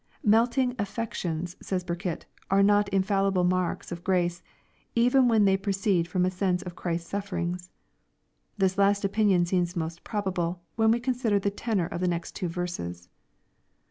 " Melting affections," says Burkitt, " are not infallible marks of grace, even when they proceed from a sense of Christ's sufferings.*' This last opinion seems most probable, when we consider the tenor of the next two verses.